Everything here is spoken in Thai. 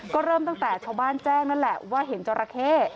ก็เริ่มตั้งแต่ชาวบ้านแจ้งนั่นแหละว่าเห็นจราเข้